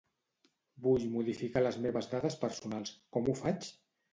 Vull modificar les meves dades personals, com ho faig?